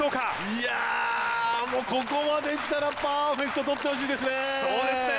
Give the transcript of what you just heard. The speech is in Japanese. いやここまできたらパーフェクトとってほしいですね